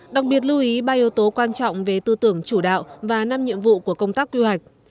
đặc biệt lưu ý ba yếu tố quan trọng về tư tưởng chủ đạo và năm nhiệm vụ của công tác quy hoạch